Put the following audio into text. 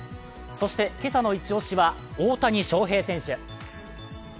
そして今朝のイチ押しは大谷翔平選手。